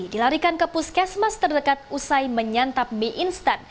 dilarikan ke puskesmas terdekat usai menyantap mie instan